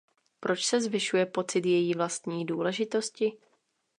Proč se zvyšuje pocit její vlastní důležitosti?